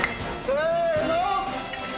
せの！